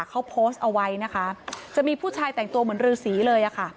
เขาโพสต์เอาไว้นะคะจะมีผู้ชายแต่งตัวเหมือนรือสีเลยอะค่ะ